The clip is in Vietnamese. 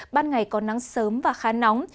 ban ngày có nắng sớm và khá nóng